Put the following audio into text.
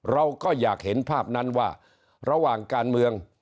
เราก็อยากเห็นภาพนั้นว่าระหว่างการเมือง